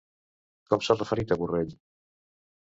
Com s'ha referit a Borrell?